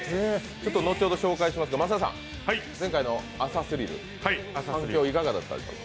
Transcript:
後ほど紹介しますが、益田さん、前回の反響はいかがでしたか？